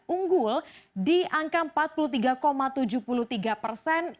unggul di angka empat puluh tiga tujuh puluh tiga persen